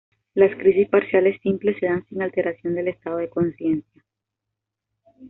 Las crisis parciales simples se dan sin alteración del estado de conciencia.